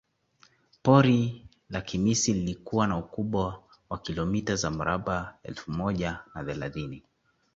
Pori la Kimisi likiwa na ukubwa wa kilomita za mraba elfu moja na thelathini